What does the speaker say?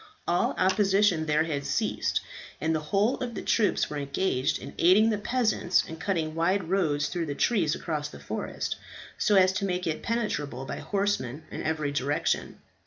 All opposition there had ceased, and the whole of the troops were engaged in aiding the peasants in cutting wide roads through the trees across the forest, so as to make it penetrable by horsemen in every direction.